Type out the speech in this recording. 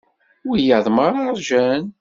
Wiyaḍ merra rjan.